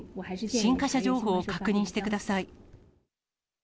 新華社情報を確認してください。